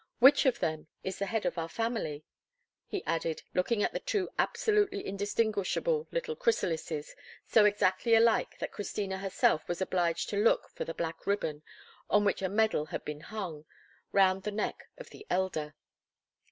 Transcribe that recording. Which of them is the head of our family?" he added, looking at the two absolutely undistinguishable little chrysalises, so exactly alike that Christina herself was obliged to look for the black ribbon, on which a medal had been hung, round the neck of the elder.